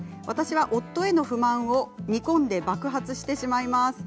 私は夫への不満を煮込んで爆発してしまいます。